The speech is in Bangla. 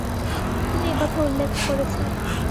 তিনি এ কথা উল্লেখ করেছেন।